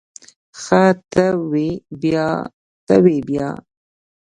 ښه ته ووی بيا ته وی بيا.